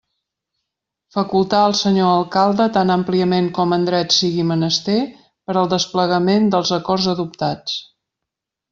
Facultar al senyor Alcalde, tan àmpliament com en dret sigui menester, per al desplegament dels acords adoptats.